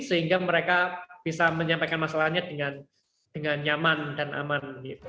sehingga mereka bisa menyampaikan masalahnya dengan nyaman dan aman